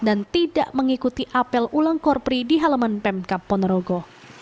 dan tidak mengikuti apel ulang korpri di halaman pemkap ponorogo